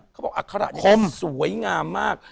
เขาบอกอัฆภาระเนี่ยสวยงามมาก